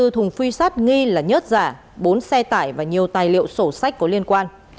một trăm ba mươi bốn thùng phi sát nghi là nhất giả bốn xe tải và nhiều tài liệu sổ sách có liên quan